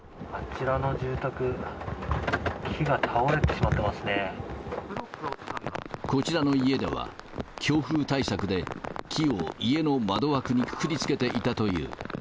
あちらの住宅、木が倒れてしこちらの家では、強風対策で木を家の窓枠にくくりつけていたという。